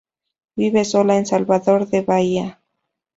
Vive sola en Salvador de Bahía.